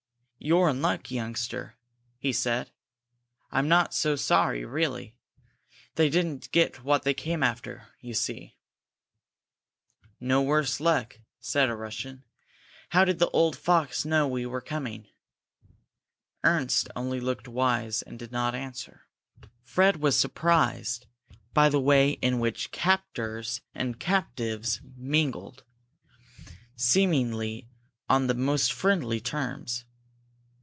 "You're in luck, youngster," he said. "I'm not so sorry, really! They didn't get what they came after, you see." "No, worse luck!" said a Russian. "How did the old fox know we were coming?" Ernst only looked wise, and did not answer. Fred was surprised by the way in which captive and captors mingled, seemingly on the most friendly terms.